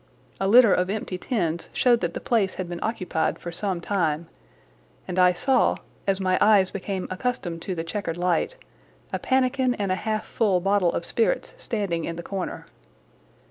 A litter of empty tins showed that the place had been occupied for some time, and I saw, as my eyes became accustomed to the checkered light, a pannikin and a half full bottle of spirits standing in the corner.